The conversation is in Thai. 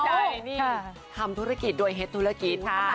แต่ว่าได้นี่ทำธุรกิจโดยเฮ็ดธุรกิจค่ะ